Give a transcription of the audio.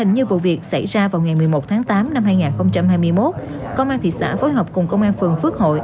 như vụ việc xảy ra vào ngày một mươi một tháng tám năm hai nghìn hai mươi một công an thị xã phối hợp cùng công an phường phước hội